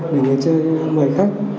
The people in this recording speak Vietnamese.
để người chơi mời khách